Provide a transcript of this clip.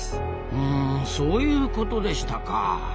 うんそういうことでしたか。